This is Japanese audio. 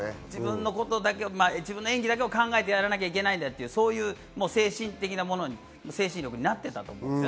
自分の演技だけを考えてやらなきゃいけないという精神的なものになっていたと思います。